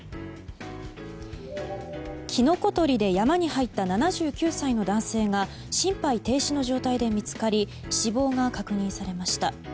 キノコ採りで山に入った７９歳の男性が心肺停止の状態で見つかり死亡が確認されました。